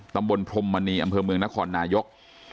พรมมณีอำเภอเมืองนครนายก